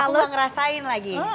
aku mau ngerasain lagi